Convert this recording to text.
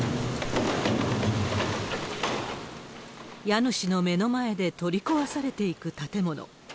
家主の目の前で取り壊されていく建物。